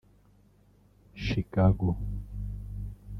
Chicago